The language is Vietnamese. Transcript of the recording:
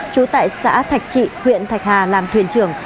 trú tại xã thạch trị huyện thạch hà làm thuyền trưởng